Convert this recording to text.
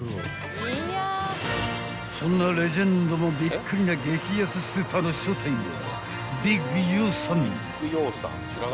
［そんなレジェンドもびっくりな激安スーパーの正体は］